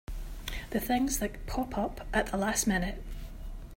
The things that pop up at the last minute!